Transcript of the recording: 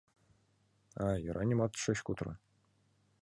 — А йӧра нимат шыч кутыро.